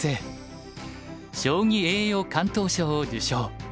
将棋栄誉敢闘賞を受賞。